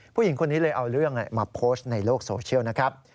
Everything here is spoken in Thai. ผู้หญิงคนนี้เลยเอาเรื่องมาโพสต์ในโลกโซเชียลนะครับ